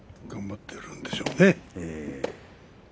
頑張っているんでしょうね。